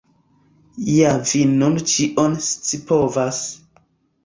Ja vi nun ĉion scipovas!